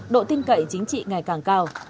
độ tin cậy chính trị ngày càng cao